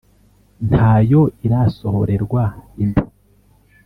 nta yo irasohorerwa inda,